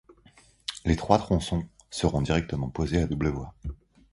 Les trois tronçons seront directement posés à double voie.